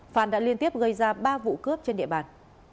phan đã liên tiếp gây ra ba vụ cướp trên địa bàn